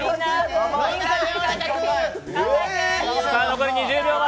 残り２０秒前。